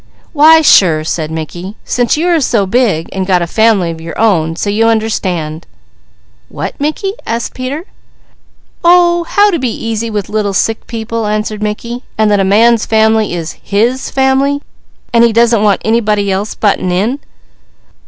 "Why sure!" said Mickey. "Since you are so big, and got a family of your own, so you understand " "What Mickey?" asked Peter. "Oh how to be easy with little sick people," answered Mickey, "and that a man's family is his family, and he don't want anybody else butting in!"